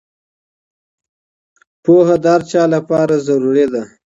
پوهه د هر چا لپاره اړینه ده.